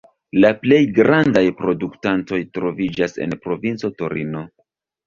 La plej grandaj produktantoj troviĝas en la provinco Torino.